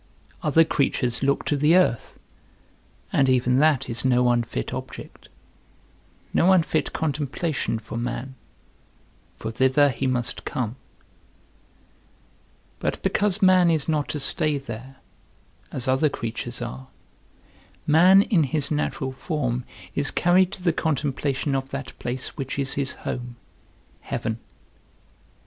Other creatures look to the earth; and even that is no unfit object, no unfit contemplation for man, for thither he must come; but because man is not to stay there, as other creatures are, man in his natural form is carried to the contemplation of that place which is his home, heaven.